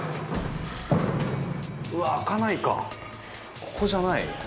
うわ開かないかここじゃない？